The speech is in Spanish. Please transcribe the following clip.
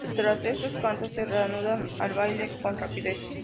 Tras estos cantos, se reanuda el baile con rapidez.